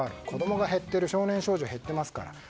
こどもが減っている、少年少女が減っていますから。